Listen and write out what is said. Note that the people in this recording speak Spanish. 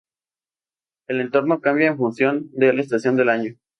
El entorno cambia en función de la estación del año.